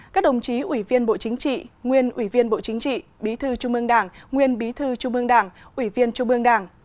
các đồng chí ủy viên bộ chính trị nguyên ủy viên bộ chính trị bí thư trung ương đảng nguyên bí thư trung ương đảng ủy viên trung ương đảng